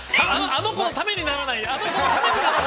あの子のためにならないよ！